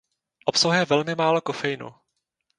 Obsahuje velmi málo kofeinu.